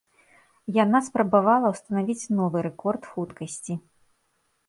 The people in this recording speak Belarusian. Яна спрабавала ўстанавіць новы рэкорд хуткасці.